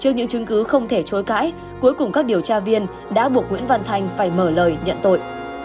nhưng cứ không thể chối cãi cuối cùng các điều tra viên đã buộc nguyễn văn thành phải mở lời nhận tội